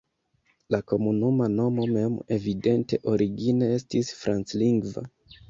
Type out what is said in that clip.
La komunuma nomo mem evidente origine estis franclingva.